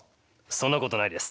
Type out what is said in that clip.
そんなことないです。